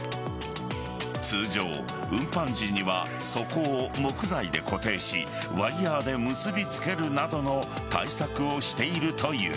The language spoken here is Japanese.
通常、運搬時には底を木材で固定しワイヤーで結びつけるなどの対策をしているという。